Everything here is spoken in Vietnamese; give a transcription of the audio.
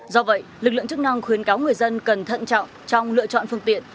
do vậy lực lượng chức năng khuyến cáo người dân cần thận trọng trong lựa chọn phương tiện